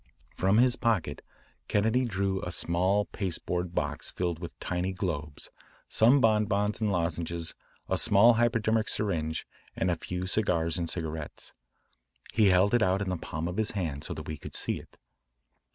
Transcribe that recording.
>From his pocket Kennedy drew a small pasteboard box filled with tiny globes, some bonbons and lozenges, a small hypodermic syringe, and a few cigars and cigarettes. He held it out in the palm of his hand so that we could see it.